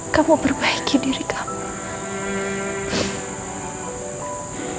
kamu perbaiki diri kamu